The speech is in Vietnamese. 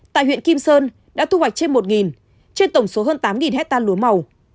tại huyện kim sơn đã thu hoạch trên một trên tổng số hơn tám hectare lúa màu